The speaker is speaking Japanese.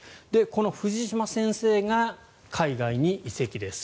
この藤嶋先生が海外に移籍です。